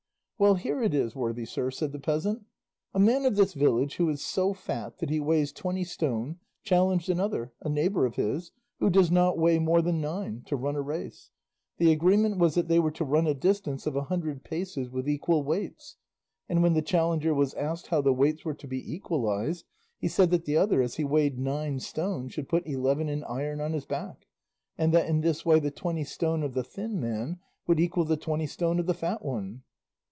"Well, here it is, worthy sir," said the peasant; "a man of this village who is so fat that he weighs twenty stone challenged another, a neighbour of his, who does not weigh more than nine, to run a race. The agreement was that they were to run a distance of a hundred paces with equal weights; and when the challenger was asked how the weights were to be equalised he said that the other, as he weighed nine stone, should put eleven in iron on his back, and that in this way the twenty stone of the thin man would equal the twenty stone of the fat one."